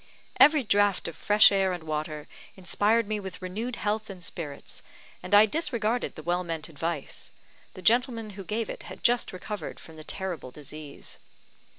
Every draught of fresh air and water inspired me with renewed health and spirits, and I disregarded the well meant advice; the gentlemen who gave it had just recovered from the terrible disease.